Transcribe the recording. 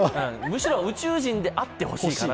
むしろ宇宙人であってほしい。